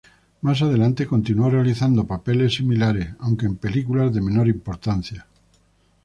Más adelante continuó realizando papeles similares, aunque en películas de menor importancia.